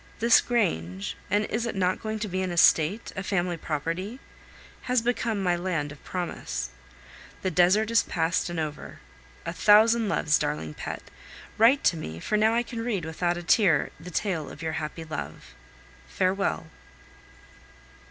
This grange and is it not going to be an estate, a family property? has become my land of promise. The desert is past and over. A thousand loves, darling pet. Write to me, for now I can read without a tear the tale of your happy love. Farewell.